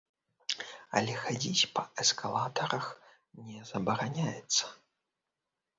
Але хадзіць па эскалатарах не забараняецца.